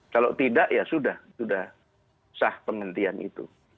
kalau tidak ya sudah sudah sah penghentian itu